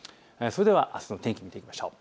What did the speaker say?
それではあすの天気を見ていきましょう。